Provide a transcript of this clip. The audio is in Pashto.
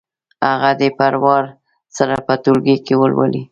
هغه دې په وار سره په ټولګي کې ولولي.